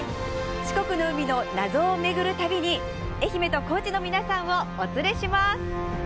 四国の海の謎を巡る旅に愛媛と高知の皆さんをお連れします。